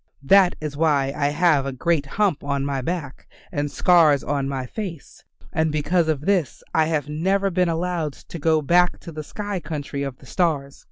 That is why I have a great hump on my back and scars on my face, and because of this I have never been allowed to go back to the sky country of the stars.